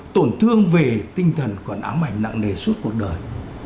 tổn thương về tinh thần còn ám ảnh nặng nề suốt cuộc đời